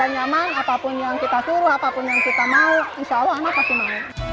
apapun yang kita mau insya allah anak pasti mau